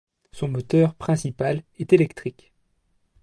Son moteur principal est électrique.